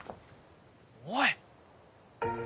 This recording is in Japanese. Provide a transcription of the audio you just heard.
おい！